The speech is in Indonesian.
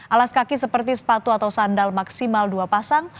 alas kaki seperti sepatu atau sandal maksimal dua pasang